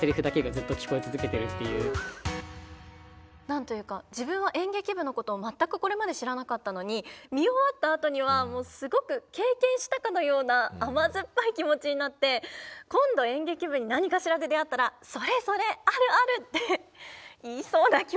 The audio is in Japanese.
何と言うか自分は演劇部のことを全くこれまで知らなかったのに見終わったあとにはもうすごく経験したかのような甘酸っぱい気持ちになって今度演劇部に何かしらで出会ったらそれそれあるあるって言いそうな気持ちになりました。